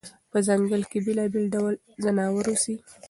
په ځنګل کې بېلابېل ډول ځناور اوسي.